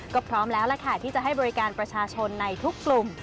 ก็พร้อมแล้วล่ะค่ะที่จะให้บริการประชาชนในทุกกลุ่ม